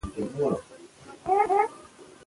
په دنیا کي څه بدرنګه عدالت دی